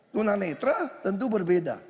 tunanetra tentu berbeda